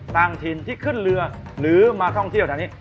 ต่างถิ่นที่ขึ้นเรือหรือมาท่องเที่ยวแถวนี้